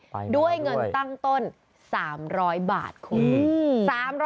ไปมาด้วยด้วยเงินตั้งต้น๓๐๐บาทคุณอืม